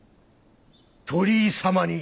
鳥居様に！